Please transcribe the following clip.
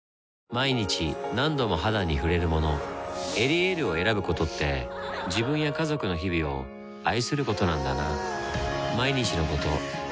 毎日何度も肌に触れるもの「エリエール」を選ぶことって自分や家族の日々を愛することなんだなぁ